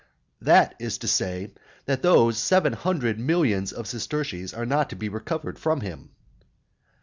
That is to say, that those seven hundred millions of sesterces are not to be recovered from him.